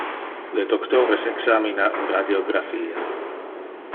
Le doctores examina un radiographia.